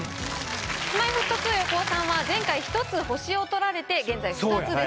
Ｋｉｓ−Ｍｙ−Ｆｔ２横尾さんは前回１つ星を取られて現在２つですね。